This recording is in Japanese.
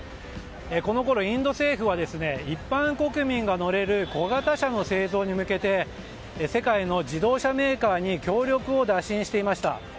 このころ、インド政府は一般国民が乗れる小型車の製造に向けて世界の自動車メーカーに協力を打診していました。